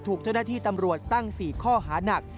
ถูกเจ้าหน้าที่ตำรวจตั้ง๔ข้อหานัก